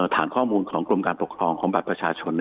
ฐานข้อมูลของกรมการปกครองของบัตรประชาชน